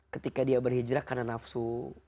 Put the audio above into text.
ketika dia berhijrah karena nafsu